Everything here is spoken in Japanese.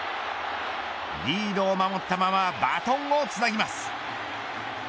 リードを守ったままバトンをつなぎます。